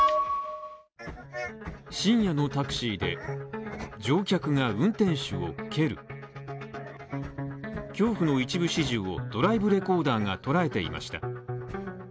深夜のタクシーで乗客が運転手を蹴る恐怖の一部始終をドライブレコーダーが捉えていました。